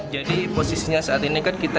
jadi posisinya saat ini kan kita